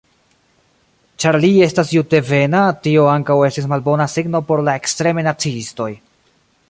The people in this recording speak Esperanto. Ĉar li estis juddevena, tio ankaŭ estis malbona signo por la ekstreme naciistoj.